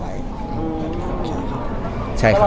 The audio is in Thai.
อืมใช่ครับใช่ครับตลอดหนังเรื่องนี้เดียวเลยใช่ครับเออ